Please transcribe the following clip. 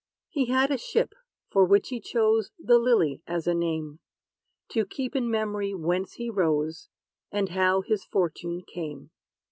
He had a ship, for which he chose "The LILY" as a name, To keep in memory whence he rose, And how his fortune came.'